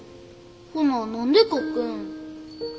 ほな何で書くん。